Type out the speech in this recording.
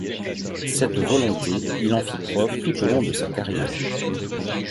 Cette volonté, il en fit preuve tout au long de sa carrière.